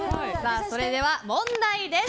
それでは問題です。